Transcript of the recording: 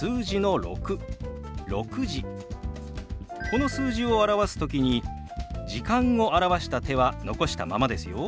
この数字を表す時に「時間」を表した手は残したままですよ。